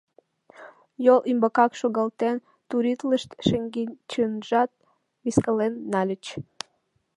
Йол ӱмбакак шогалтен туритлышт, шеҥгечынжат вискален нальыч.